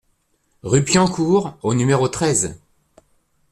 Rue Piencourt au numéro treize